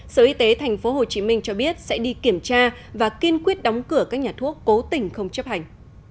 sở y tế tp hcm cho biết sẽ đi kiểm tra và kiên quyết đóng cửa các nhà thuốc cố tình không chấp hành